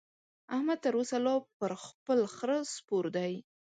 احمد تر اوسه لا پر خپل خره سپور دی.